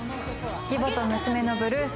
「義母と娘のブルース」